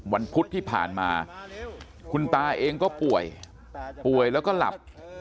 พุธที่ผ่านมาคุณตาเองก็ป่วยป่วยแล้วก็หลับ